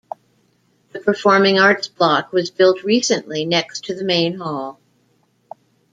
The Performing Arts Block was built recently next to the Main Hall.